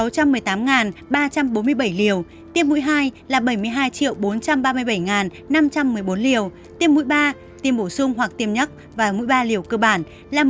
trong đó tiêm mũi một là bảy mươi tám sáu trăm một mươi tám ba trăm bốn mươi bảy liều tiêm mũi hai là bảy mươi hai bốn trăm ba mươi bảy năm trăm một mươi bốn liều tiêm mũi ba tiêm bổ sung hoặc tiêm nhắc và mũi ba liều cơ bản là một mươi bảy chín trăm linh bốn hai trăm năm mươi năm liều